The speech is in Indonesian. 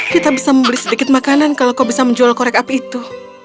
kita bisa membeli sedikit makanan kalau kau bisa menjual korek api itu